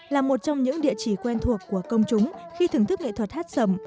là một trong những địa chỉ quen thuộc của công chúng khi thưởng thức nghệ thuật hát sầm